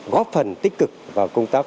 góp phần tích cực vào công tác